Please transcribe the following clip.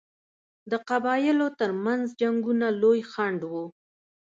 د قبایلو ترمنځ جنګونه لوی خنډ وو.